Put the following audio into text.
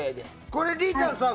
これ、りーたんさん